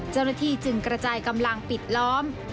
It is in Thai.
เจ้าหน้าที่จึงกระจายกำลังปิดล้อม